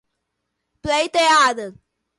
pleiteada